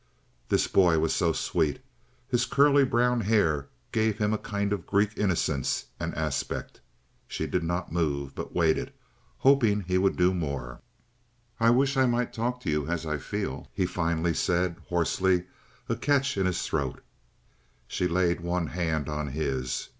This boy was so sweet. His curly brown hair gave him a kind of Greek innocence and aspect. She did not move, but waited, hoping he would do more. "I wish I might talk to you as I feel," he finally said, hoarsely, a catch in his throat. She laid one hand on his.